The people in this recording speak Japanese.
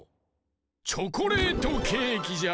チョコレートケーキじゃ。